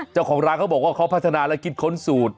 เจ้าของร้านเขาบอกว่าเขาพัฒนาและคิดค้นสูตร